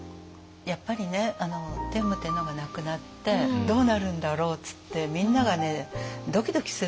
やっぱりね天武天皇が亡くなってどうなるんだろうっつってみんながドキドキするわけですよ。